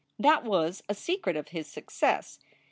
That was a secret of his success.